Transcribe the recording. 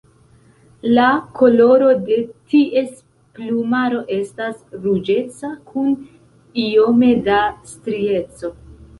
La koloro de ties plumaro estas ruĝeca kun iome da strieco.